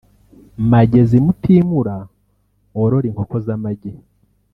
Magezi Mutimura worora inkoko z’amagi